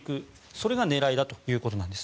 それが狙いだということです。